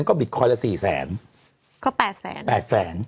คือคือคือคือคือ